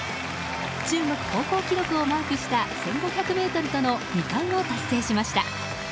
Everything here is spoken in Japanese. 中国高校記録をマークした１５００ｍとの２冠を達成しました。